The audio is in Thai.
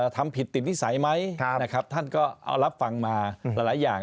ทำผิดติดวิสัยไหมนะครับท่านก็เอารับฟังมาหลายอย่าง